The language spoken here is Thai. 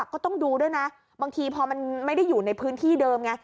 ก็ต้องดูด้วยนะบางทีพอมันไม่ได้อยู่ในพื้นที่เดิมไง